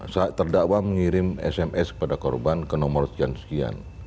saat terdakwa mengirim sms kepada korban ke nomor sekian sekian